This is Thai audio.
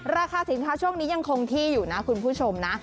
ราคาสินค้าช่วงนี้ยังคงที่อยู่นะคุณผู้ชมนะ